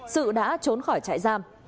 sự đã trốn khỏi trại giam